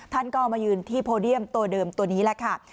ท่านก็มายืนที่โพเดียมตัวเดิมตัวนี้แหละค่ะ